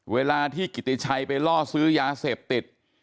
เวลาที่กิติชัยไปล่อซื้อยาเสพติด